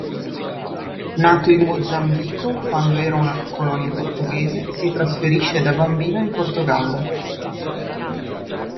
Nato in Mozambico quando era una colonia portoghese, si trasferisce da bambino in Portogallo.